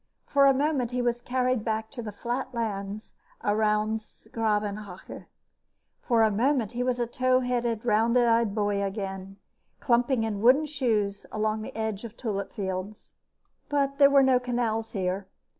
For a moment, he was carried back to the flat lands around 's Gravenhage. For a moment he was a tow headed, round eyed boy again, clumping in wooden shoes along the edge of the tulip fields. But there were no canals here.